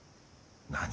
何？